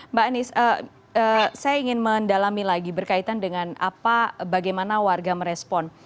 mbak anies saya ingin mendalami lagi berkaitan dengan apa bagaimana warga merespon